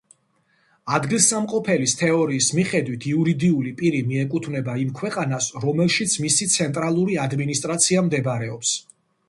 ადგილსამყოფლის თეორიის მიხედვით, იურიდიული პირი მიეკუთვნება იმ ქვეყანას, რომელშიც მისი ცენტრალური ადმინისტრაცია მდებარეობს.